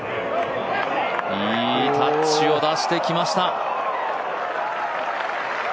いいタッチを出してきました。